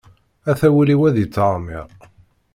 Ata wul-iw ad yettɛemmiṛ.